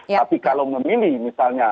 tapi kalau memilih misalnya